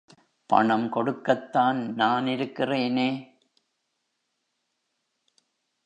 பணம் கொடுக்கத்தான் நான் இருக்கிறேனே.